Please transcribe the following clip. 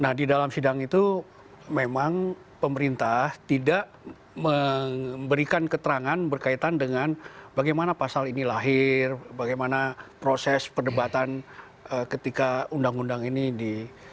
nah di dalam sidang itu memang pemerintah tidak memberikan keterangan berkaitan dengan bagaimana pasal ini lahir bagaimana proses perdebatan ketika undang undang ini di